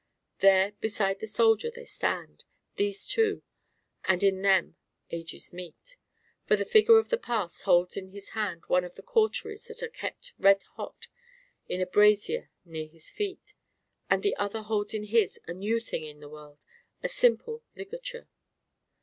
There beside the soldier they stand, these two, and in them ages meet; for the figure of the past holds in his hand one of the cauteries that are kept redhot in a brazier near his feet; and the other holds in his a new thing in the world a simple ligature.